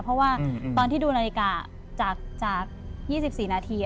เพราะว่าตอนที่ดูนาฬิกาจาก๒๔นาที